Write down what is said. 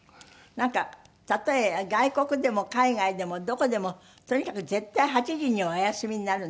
なんかたとえ外国でも海外でもどこでもとにかく絶対８時にはお休みになるんですって？